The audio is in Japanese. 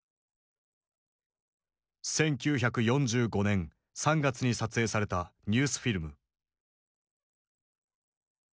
１９４５年３月に撮影されたニュースフィルム。